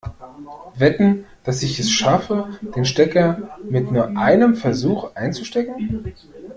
Wetten, dass ich es schaffe, den Stecker mit nur einem Versuch einzustecken?